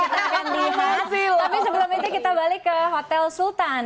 tapi sebelum itu kita balik ke hotel sultan